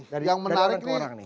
dari orang ke orang nih